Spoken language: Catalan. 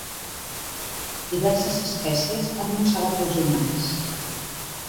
Diverses espècies han mossegat els humans.